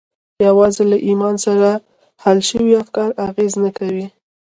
یوازې له ایمان سره حل شوي افکار اغېز نه کوي